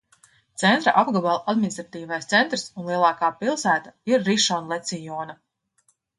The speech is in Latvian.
Centra apgabala administratīvais centrs un lielākā pilsēta ir Rišonlecijona.